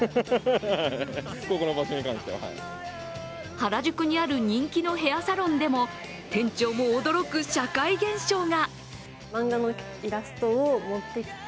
原宿にある人気のヘアサロンでも、店長も驚く社会現象が。